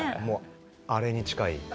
もうあれに近い。